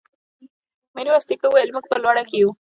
ميرويس نيکه وويل: موږ په لوړه کې يو.